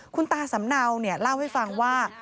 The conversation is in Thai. คุณตาสำเนาเล่าให้ฟังว่า